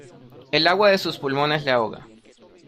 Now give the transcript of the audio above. el agua de sus pulmones le ahoga.